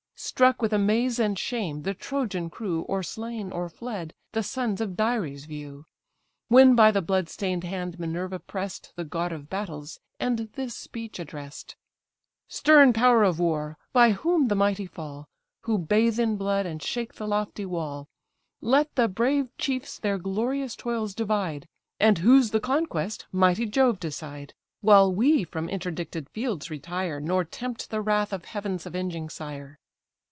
Struck with amaze and shame, the Trojan crew, Or slain, or fled, the sons of Dares view; When by the blood stain'd hand Minerva press'd The god of battles, and this speech address'd: "Stern power of war! by whom the mighty fall, Who bathe in blood, and shake the lofty wall! Let the brave chiefs their glorious toils divide; And whose the conquest, mighty Jove decide: While we from interdicted fields retire, Nor tempt the wrath of heaven's avenging sire."